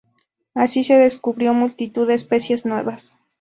Así descubrió multitud de especies nuevas.